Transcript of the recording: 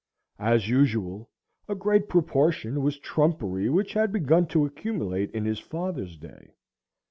As usual, a great proportion was trumpery which had begun to accumulate in his father's day.